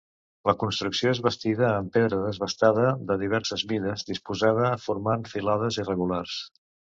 La construcció és bastida amb pedra desbastada de diverses mides, disposada formant filades irregulars.